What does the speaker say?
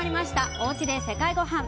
おうちで世界ごはん。